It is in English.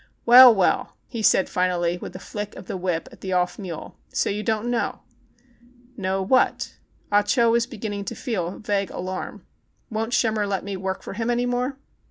"Well, well," he said finally, with a flick of the whip at the off mule, "so you don't now r "Know what.?" Ah Cho was beginning to feel a vague alarm. "Won't Schemmer let me work for him any more.?"